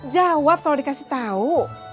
jawab kalo dikasih tau